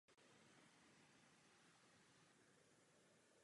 Výzbroj doplňoval těžký štít.